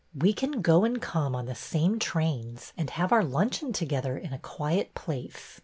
We can go and come on the same trains and have our luncheon together in a quiet place.'